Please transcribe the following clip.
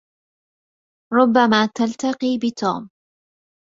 ربما تلتقي بتوم.